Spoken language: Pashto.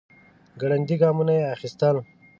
ګړندي ګامونه يې اخيستل.